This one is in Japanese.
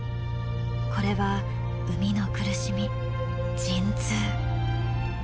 これは産みの苦しみ陣痛。